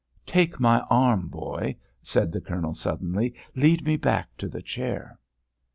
"Take my arm, boy," said the Colonel, suddenly; "lead me back to the chair."